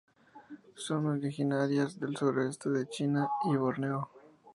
Son originarias del suroeste de China y Borneo.